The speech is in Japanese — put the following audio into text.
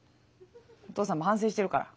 お父さんも反省してるから。